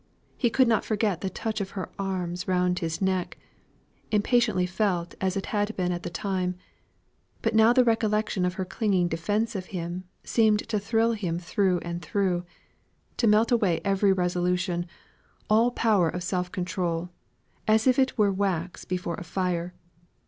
He could not forget the touch of her arms around his neck, impatiently felt as it had been at the time; but now the recollection of her clinging defence of him, seemed to thrill him through and through, to melt away every resolution, all power of self control, as if it were wax before a fire.